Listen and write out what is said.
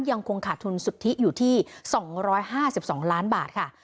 ยังคงขาดทุนสุทธิอยู่ที่๒๕๒ล้านบาทค่ะ